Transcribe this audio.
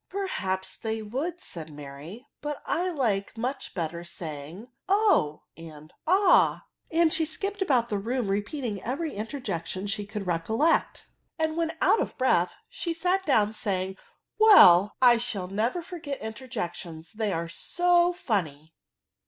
" Perhaps they would," said Mary ;" but I like much better saying, oh ! and ah t " and she skipped about the room repeating every interjection she could recollect ; and when out of breath, she sat down, saying, Well! I »haU never forget interjections, ttey are so fanny."